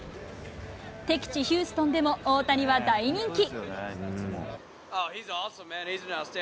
敵地、ヒューストンでも大谷は大人気。